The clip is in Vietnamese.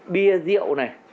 bia rượu này